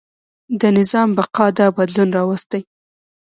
د نظام بقا دا بدلون راوستی.